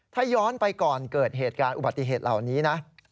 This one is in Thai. ถ้าย้อนไปก่อนเกิดเหตุการณ์อุบัติเหตุเหล่านี้นะ